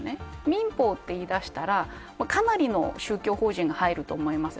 民法といいだしたらかなりの宗教法人が入ると思います。